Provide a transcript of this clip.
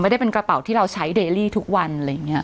ได้เป็นกระเป๋าที่เราใช้เดรี่ทุกวันอะไรอย่างนี้